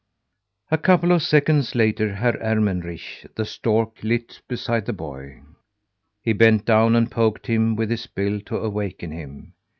A couple of seconds later Herr Ermenrich, the stork, lit beside the boy. He bent down and poked him with his bill to awaken him.